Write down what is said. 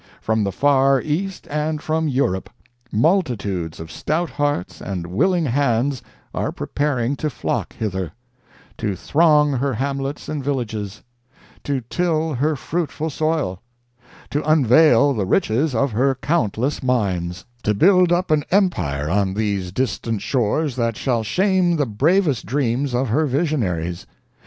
From the far East and from Europe, multitudes of stout hearts and willing hands are preparing to flock hither; to throng her hamlets and villages; to till her fruitful soil; to unveil the riches of her countless mines; to build up an empire on these distant shores that shall shame the bravest dreams of her visionaries.